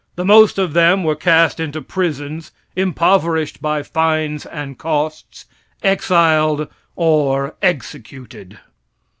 The most of them were cast into prisons, impoverished by fines and costs, exiled or executed.